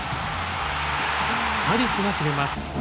サリスが決めます。